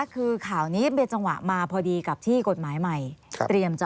คือข่าวนี้เบียดจังหวะมาพอดีกับที่กฎหมายใหม่